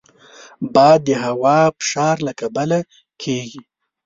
باد د هوا فشار له کبله کېږي